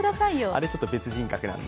あれはちょっと別人格なので。